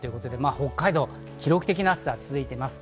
北海道、記録的な暑さが続いています。